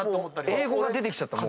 英語が出てきちゃった。